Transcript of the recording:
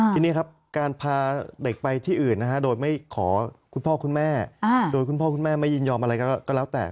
ทีนี้ครับการพาเด็กไปที่อื่นนะฮะโดยไม่ขอคุณพ่อคุณแม่โดยคุณพ่อคุณแม่ไม่ยินยอมอะไรก็แล้วแต่